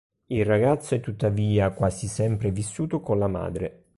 Il ragazzo è tuttavia quasi sempre vissuto con la madre.